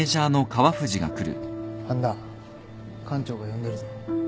半田館長が呼んでるぞ。